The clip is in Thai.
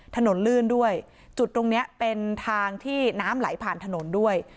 ถนนลื่นด้วยจุดตรงเนี้ยเป็นทางที่น้ำไหลผ่านถนนด้วย